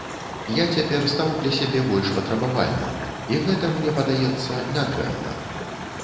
Я цяпер стаў для сябе больш патрабавальным і гэта, мне падаецца, не дрэнна.